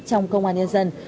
trong công an nhân dân